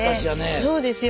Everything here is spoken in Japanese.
そうですよ。